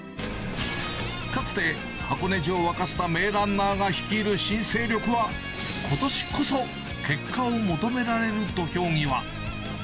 かつて、箱根路を沸かせた名ランナーが率いる新勢力は、ことしこそ結果を求められる土俵際。